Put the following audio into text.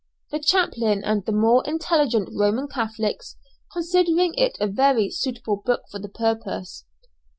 the chaplain and the more intelligent Roman Catholics considering it a very suitable book for the purpose.